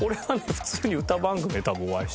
普通に歌番組で多分お会いしてます。